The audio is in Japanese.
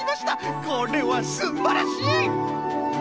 これはすんばらしい！